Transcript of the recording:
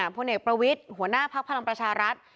พ่อเนกประวิทย์หัวหน้าภาคพลังประชารัฐ